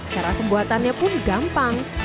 cara pembuatannya pun gampang